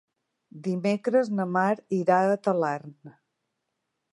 Dimecres na Mar irà a Talarn.